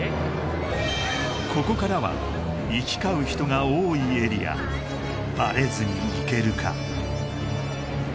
ここからは行き交う人が多いエリアバレずに行けるか？